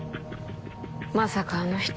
まさかあの人